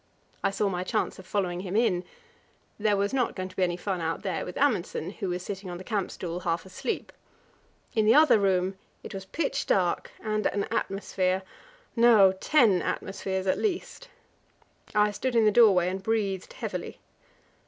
I saw my chance of following him in. There was not going to be any fun out there with Amundsen, who was sitting on the camp stool half asleep. In the other room it was pitch dark, and an atmosphere no, ten atmospheres at least! I stood still in the doorway and breathed heavily.